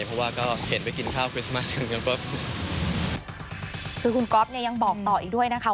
เพราะว่าก็เข็ดไปกินข้าวคริสต์มาสอย่างนี้ครับก๊อบคือคุณก๊อบเนี้ยยังบอกต่ออีกด้วยนะคะ